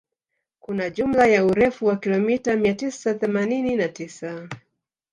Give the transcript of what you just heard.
Kuna jumla ya urefu wa kilomita mia tisa themanini na tisa